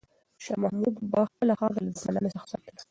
شاه محمود به خپله خاوره له دښمنانو څخه ساتله.